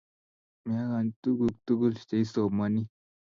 Meagan tuguk tugul cheisomani